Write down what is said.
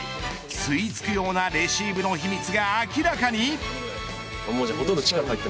吸い付くようなレシーブの秘密が明らかに。